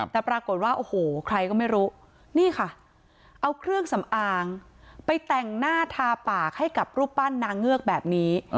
แต่ปรากฏว่าโอ้โหใครก็ไม่รู้นี่ค่ะเอาเครื่องสำอางไปแต่งหน้าทาปากให้กับรูปปั้นนางเงือกแบบนี้